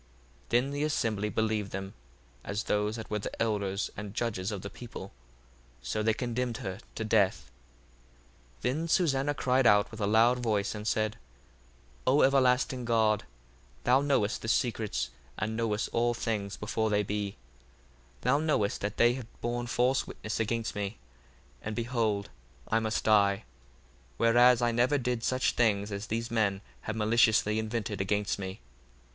1:41 Then the assembly believed them as those that were the elders and judges of the people: so they condemned her to death. 1:42 Then Susanna cried out with a loud voice, and said, O everlasting God, that knowest the secrets, and knowest all things before they be: 1:43 Thou knowest that they have borne false witness against me, and, behold, I must die; whereas I never did such things as these men have maliciously invented against me.